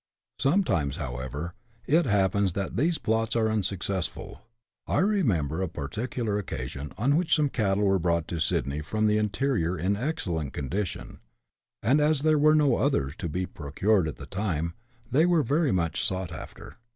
Sometimes, however, it happens that these plots are unsuc cessful. I remember a particular occasion on which some cattle were brought to Sydney from the interior in excellent condition, and as there were no others to be procured at the time, they were very much sought after.